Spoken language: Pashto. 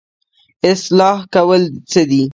اصلاح کول څه دي؟